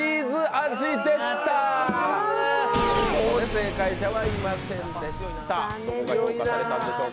正解者はいませんでした。